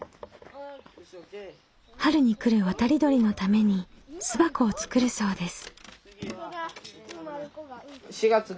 春に来る渡り鳥のために巣箱を作るそうです。